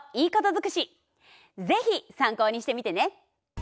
ぜひ参考にしてみてね。